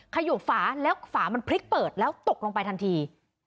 ขยบฝาแล้วฝามันพลิกเปิดแล้วตกลงไปทันที